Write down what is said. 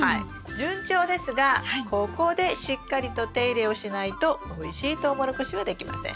順調ですがここでしっかりと手入れをしないとおいしいトウモロコシはできません。